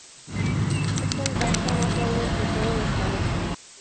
Es el dasha más largo entre todos los planetas.